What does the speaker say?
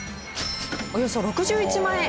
およそ６１万円。